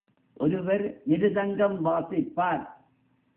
ஒருவர் மிருதங்கம் வாசிப்பார்.